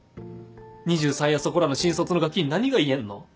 ２３やそこらの新卒のガキに何が言えんの？